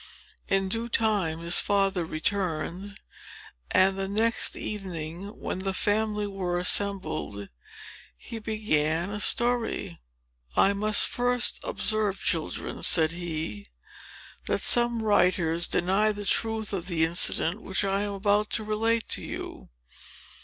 In due time, his father returned; and the next evening, when the family were assembled, he began a story. "I must first observe, children," said he, "that some writers deny the truth of the incident which I am about to relate to you.